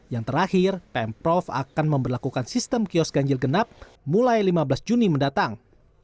yang terakhir pemprov akan memperlakukan sistem kios ganjil genap mulai lima belas juni mendatang